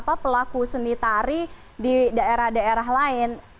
apa pelaku seni tari di daerah daerah lain